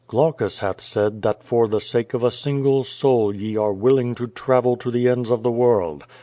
Glaucus hath said that for the sake of a single soul ye are willing to travel to tlie ends of the world.